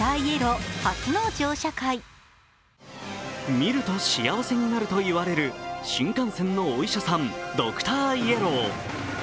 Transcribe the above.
見ると幸せになるといわれる新幹線のお医者さんドクターイエロー。